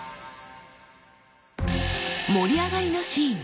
盛り上がりのシーン。